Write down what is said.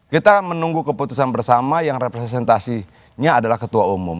kita menunggu keputusan bersama yang representasinya adalah ketua umum